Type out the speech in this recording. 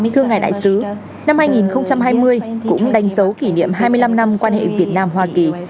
thưa ngài đại sứ năm hai nghìn hai mươi cũng đánh dấu kỷ niệm hai mươi năm năm quan hệ việt nam hoa kỳ